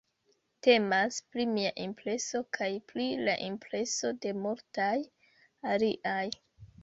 Temas pri mia impreso kaj pri la impreso de multaj aliaj.